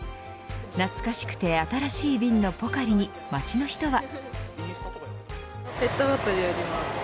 懐かしくて新しい瓶のポカリに街の人は。